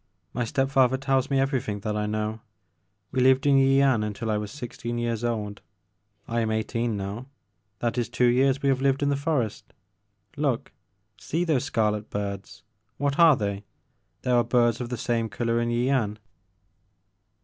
My step father tells me everything that I know. We lived in Yian until I was sixteen years old. I am eighteen now ; that is two years we have lived in the forest. Look !— see those scarlet birds I What are they? There are birds of the same color in Yian.